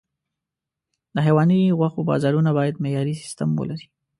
د حيواني غوښو بازارونه باید معیاري سیستم ولري.